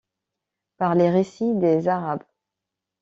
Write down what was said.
Par les récits des Arabes.